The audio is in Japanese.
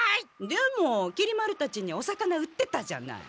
でもきり丸たちにお魚売ってたじゃない。